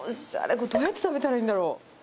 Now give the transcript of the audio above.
これ、どうやって食べたらいいんだろう。